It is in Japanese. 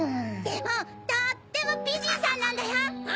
でもとっても美人さんなんだよ！